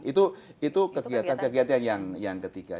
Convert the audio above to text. itu kegiatan kegiatan yang ketiga